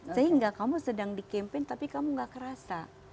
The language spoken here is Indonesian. sehingga kamu sedang dikampen tapi kamu tidak kerasa